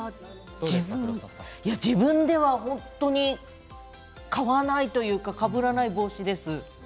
自分では本当に買わないというかかぶらない帽子です。